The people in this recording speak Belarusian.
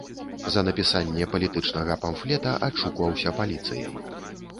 За напісанне палітычнага памфлета адшукваўся паліцыяй.